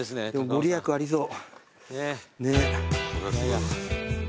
ご利益ありそう。